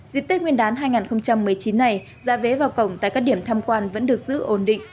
dịp tết nguyên đán hai nghìn một mươi chín này ra vé vào cổng tại các điểm tham quan vẫn được giữ ổn định